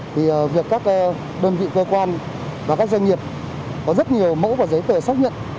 thì việc các đơn vị cơ quan và các doanh nghiệp có rất nhiều mẫu và giấy tờ xác nhận